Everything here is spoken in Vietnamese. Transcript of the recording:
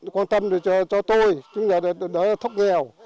quan tâm cho tôi chứ là để thóc nghèo